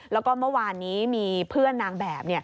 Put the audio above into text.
แล้วก็เมื่อวานนี้มีเพื่อนนางแบบ